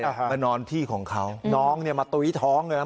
มานอนที่ของเขาน้องเนี่ยมาตุ๊ยท้องเลยนะ